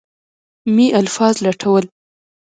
مې الفاظ لټول.